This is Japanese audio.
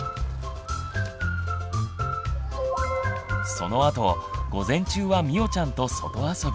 そのあと午前中はみおちゃんと外遊び。